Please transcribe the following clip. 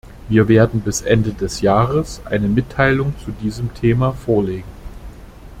Wir werden bis Ende des Jahres eine Mitteilung zu diesem Thema vorlegen.